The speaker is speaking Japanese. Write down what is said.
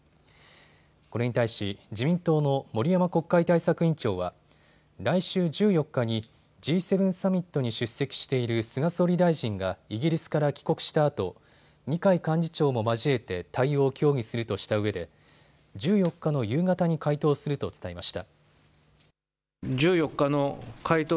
これに対し、自民党の森山国会対策委員長は来週１４日にＧ７サミットに出席している菅総理大臣がイギリスから帰国したあと二階幹事長も交えて対応を協議するとしたうえで１４日の夕方に回答すると伝えました。